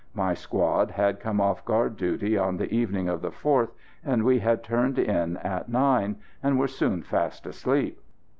My squad had come off guard duty on the evening of the 4th, and we had turned in at nine, and were soon fast asleep.